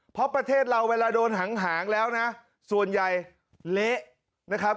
เพราะประเทศเราเวลาโดนหางแล้วนะส่วนใหญ่เละนะครับ